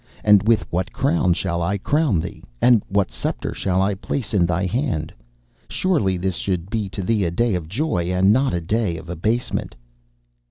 And with what crown shall I crown thee, and what sceptre shall I place in thy hand? Surely this should be to thee a day of joy, and not a day of abasement.